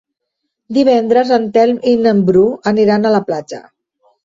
Divendres en Telm i en Bru aniran a la platja.